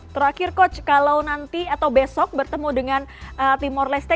terakhir coach kalau nanti atau besok bertemu dengan timor leste